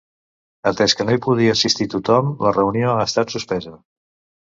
Atès que no hi podia assistir tothom, la reunió ha estat suspesa.